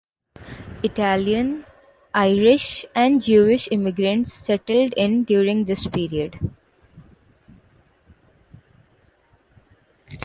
Italian, Irish and Jewish immigrants settled in during this period.